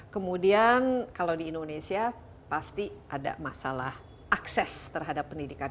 kemudian kalau di indonesia pasti ada masalah akses terhadap pendidikan